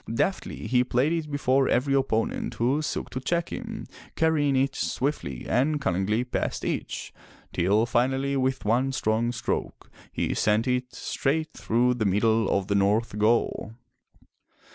Deftly he played it before every opponent who sought to check him, carrying it swiftly and cunningly past 401 MY BOOK HOUSE each, till finally with one strong stroke he sent it straight through the middle of the north goal.